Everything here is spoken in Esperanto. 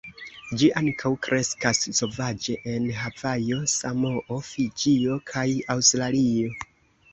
Ĝi ankaŭ kreskas sovaĝe en Havajo, Samoo, Fiĝio kaj Aŭstralio.